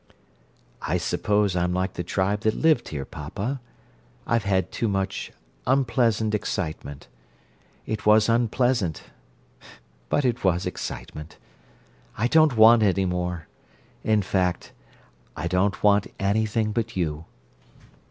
"I suppose I'm like the tribe that lived here, papa. I had too much unpleasant excitement. It was unpleasant—but it was excitement. I don't want any more; in fact, I don't want anything but you."